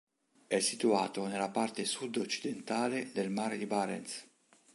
È situato nella parte sud-occidentale del mare di Barents.